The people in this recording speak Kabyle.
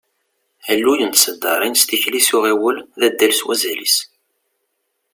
Alluy n tseddaṛin s tikli s uɣiwel, d addal s wazal-is.